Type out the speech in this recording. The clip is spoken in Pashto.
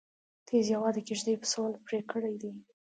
تيزې هوا د کيږدۍ پسول پرې کړی دی